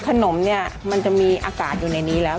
ขนมเนี่ยมันจะมีอากาศอยู่ในนี้แล้ว